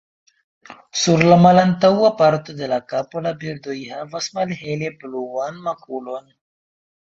Sur la malantaŭa parto de la kapo la birdoj havas malhele bluan makulon.